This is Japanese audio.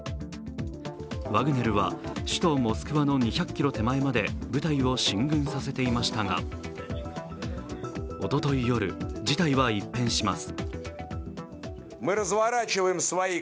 ワグネルは首都・モスクワの２００ｋｍ手前まで部隊を進軍させていましたが、おととい夜、事態は一変します。